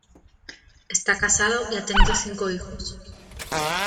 Está casado y ha tenido cinco hijos.